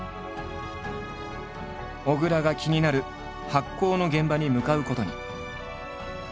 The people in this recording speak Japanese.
小倉が気になる発酵の現場に向かうことに。